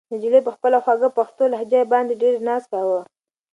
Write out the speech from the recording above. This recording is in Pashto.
نجلۍ په خپله خوږه پښتو لهجه باندې ډېر ناز کاوه.